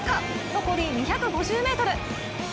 残り２５０ｍ。